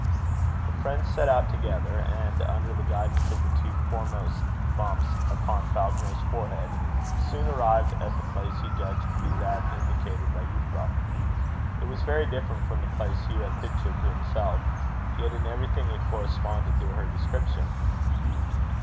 The friends set out together; and, under the guidance of the two foremost bumps upon Falconer's forehead, soon arrived at the place he judged to be that indicated by Euphra. It was very different from the place Hugh had pictured to himself. Yet in everything it corresponded to her description.